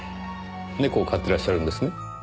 猫を飼っていらっしゃるんですね？